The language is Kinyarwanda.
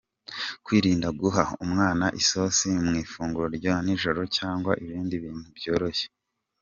Kwirinda guha umwana isosi mu ifunguro rya nijoro cyangwa ibindi bintu byoroshye.